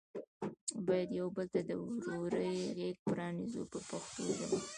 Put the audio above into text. باید یو بل ته د ورورۍ غېږه پرانیزو په پښتو ژبه.